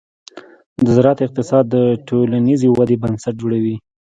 د زراعت اقتصاد د ټولنیزې ودې بنسټ جوړوي.